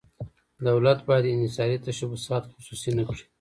دولت باید انحصاري تشبثات خصوصي نه کړي.